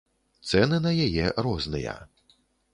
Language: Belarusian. Цэны на яе розныя.